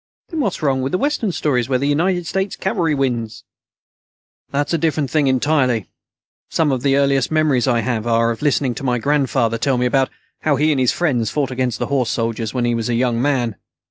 "Then what's wrong with Western stories where the United States Cavalry wins?" "That's a different thing entirely. Some of the earliest memories I have are of listening to my grandfather tell me about how he and his friends fought against the horse soldiers when he was a young man.